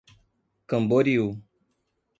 Camboriú